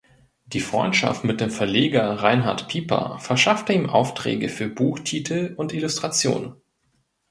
Die Freundschaft mit dem Verleger Reinhard Piper verschaffte ihm Aufträge für Buchtitel und Illustrationen.